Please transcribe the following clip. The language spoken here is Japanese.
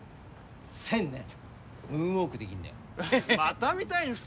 センねムーンウォークできんだよまた見たいんすか？